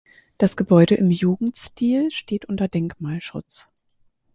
Das Gebäude im Jugendstil steht unter Denkmalschutz.